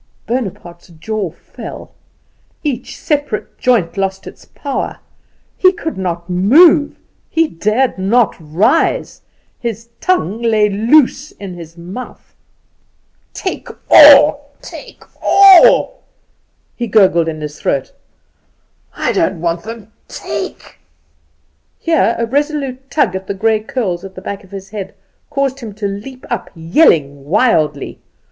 Bonaparte's jaw fell: each separate joint lost its power: he could not move; he dared not rise; his tongue lay loose in his mouth. "Take all, take all!" he gurgled in his throat. "I I do not want them. Take" Here a resolute tug at the grey curls at the back of his head caused him to leap up, yelling wildly.